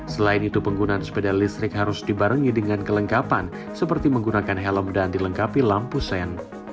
selain itu penggunaan sepeda listrik harus dibarengi dengan kelengkapan seperti menggunakan helm dan dilengkapi lampu sen